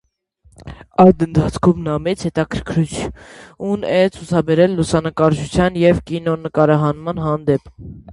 Այդ ընթացքում նա մեծ հետաքրքրություն է ցուցաբերել լուսանկարչության և կինոնկարահանման հանդեպ։